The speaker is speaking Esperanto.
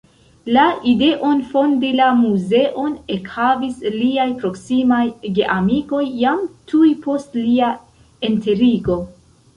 La ideon fondi la muzeon ekhavis liaj proksimaj geamikoj jam tuj post lia enterigo.